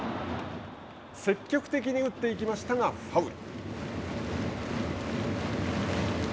積極的に打っていきましたがファウル。